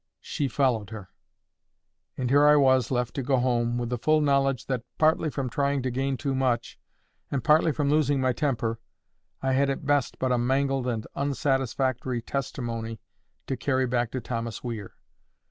She followed her. And here was I left to go home, with the full knowledge that, partly from trying to gain too much, and partly from losing my temper, I had at best but a mangled and unsatisfactory testimony to carry back to Thomas Weir.